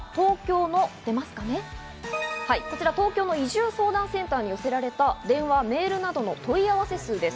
東京の移住相談センターに寄せられた、電話・メールなどの問い合わせ数です。